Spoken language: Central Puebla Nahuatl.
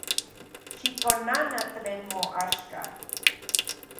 Xikonana tlen moaxka.